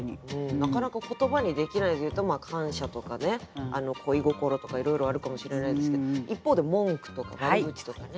なかなか言葉にできないというと感謝とかね恋心とかいろいろあるかもしれないですけど一方で文句とか悪口とかね。